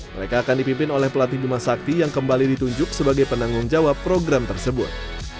mereka akan dipimpin oleh pelatih bima sakti yang kembali ditunjuk sebagai penanggung jawab program tersebut